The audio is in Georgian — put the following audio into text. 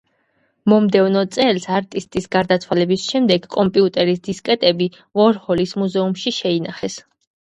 მომდევნო წელს, არტისტის გარდაცვალების შემდეგ კომპიუტერის დისკეტები ვორჰოლის მუზეუმში შეინახეს.